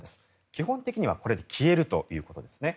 基本的にはこれで消えるということですね。